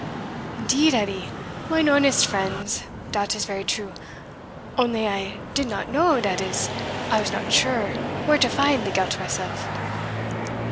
"Indeed, Edie, mine honest friends, dat is very true; only I did not know, dat is, I was not sure, where to find the gelt myself."